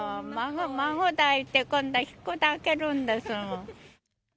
孫抱いて今度はひこ抱けるんですもん。